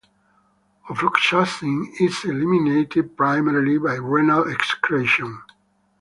Ofloxacin is eliminated primarily by renal excretion.